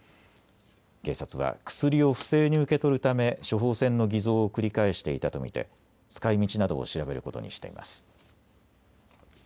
警察は薬を不正に受け取るため処方箋の偽造を繰り返していたと見て使いみちなどを調べることにしています。